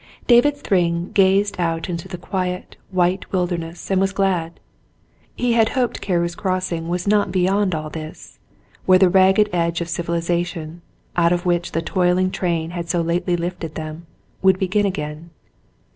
David Thrjmg gazed out into the quiet, white wilderness and was glad. He hoped Carew's Crossing was not beyond all this, where the ragged edge of civilization, out of which the toiling train had so lately lifted them, would begin again.